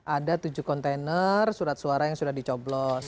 ada tujuh kontainer surat suara yang sudah dicoblos